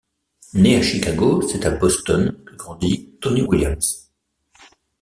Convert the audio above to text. Né à Chicago, c'est à Boston que grandit Tony Williams.